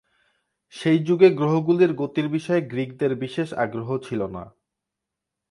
সেই যুগে গ্রহগুলির গতির বিষয়ে গ্রিকদের বিশেষ আগ্রহ ছিল না।